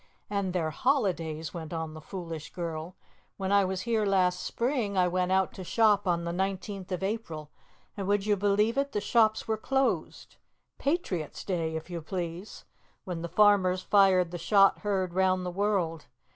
"And their holidays," went on the foolish girl. "When I was here last spring, I went out to shop on the nineteenth of April, and would you believe it? the shops were closed. Patriots' Day, if you please, when the farmers fired the shot heard round the world!